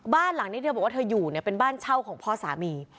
บ้านหลังนี้เธอบอกว่าเธออยู่เนี่ยเป็นบ้านเช่าของพ่อสามี